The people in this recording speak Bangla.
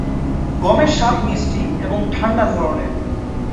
গমের স্বাদ মিষ্টি এবং ঠান্ডা ধরনের।